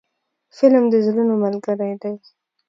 فلم د زړونو ملګری دی